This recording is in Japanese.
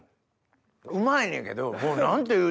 うまいねんけどもう。